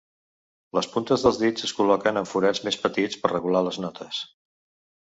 Les puntes dels dits es col·loquen en forats més petits per regular les notes.